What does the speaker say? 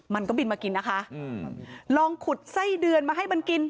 มันก็บินมากินนะคะอืมลองขุดไส้เดือนมาให้มันกิน